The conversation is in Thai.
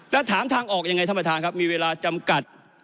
แล้วถามทางออกยังไงท่านประธานครับมีเวลาจำกัด